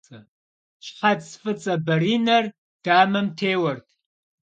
Şhets f'ıts'e beriner damem têuert.